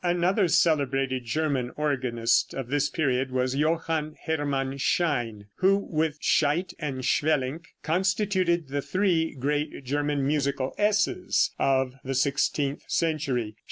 Another celebrated German organist of this period was Johann Hermann Schein, who, with Scheidt and Swelinck, constituted the three great German musical S's of the sixteenth century.